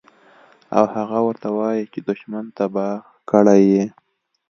او هغه ورته وائي چې دشمن تباه کړے ئې